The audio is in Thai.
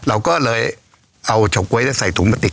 เราก็เลยเอาเฉาก๊วยใส่ถุงพลาติก